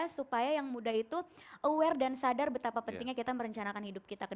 supaya yang muda itu aware dan sadar betapa pentingnya kita merencanakan hidup kita ke depan